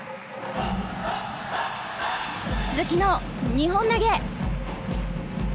鈴木の２本投げ！